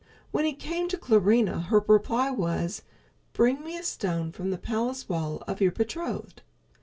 When he came to Clarinha, her reply was, "Bring me a stone from the palace wall of your betrothed."